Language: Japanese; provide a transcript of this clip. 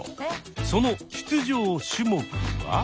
その出場種目は。